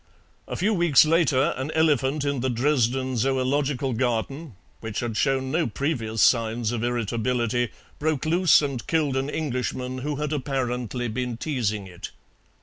A few weeks later an elephant in the Dresden Zoological Garden, which had shown no previous signs of irritability, broke loose and killed an Englishman who had apparently been teasing it.